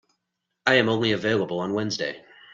I am only available on Wednesday.